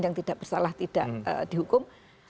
yang tidak bersalah tidak dihukum